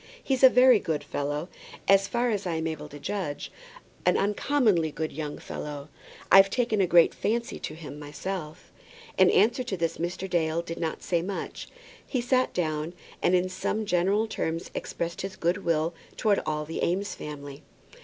He's a very good fellow, as far as I am able to judge, an uncommonly good young man. I've taken a great fancy to him myself." In answer to this Mr. Dale did not say much. He sat down, and in some general terms expressed his good will towards all the Eames family.